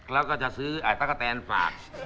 เราก็จะซื้อไอ้สักกะแทนฝาก